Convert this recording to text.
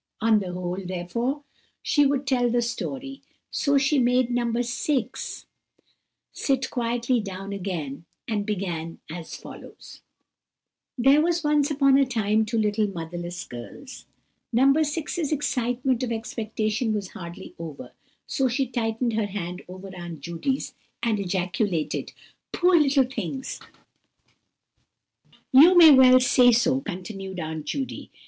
On the whole, therefore, she would tell the story, so she made No. 6 sit quietly down again, and began as follows:— "There were once upon a time two little motherless girls." No. 6's excitement of expectation was hardly over, so she tightened her hand over Aunt Judy's, and ejaculated:— "Poor little things!" "You may well say so," continued Aunt Judy.